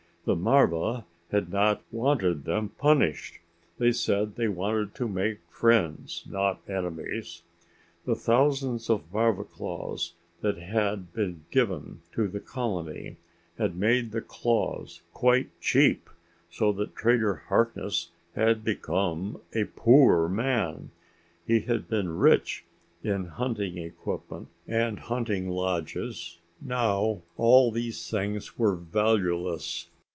The marva had not wanted them punished. They said they wanted to make friends, not enemies. The thousands of marva claws that had been given to the colony had made the claws quite cheap, so that Trader Harkness had become a poor man; he had been rich in hunting equipment and hunting lodges now all these things were valueless.